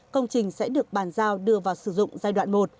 công trình sẽ được bàn giao đưa vào sử dụng giai đoạn một